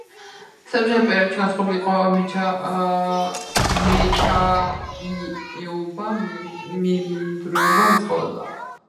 საბჭოთა პერიოდში განვითარებული იყო მეჩაიეობა, მემინდვრეობა, მეცხოველეობა.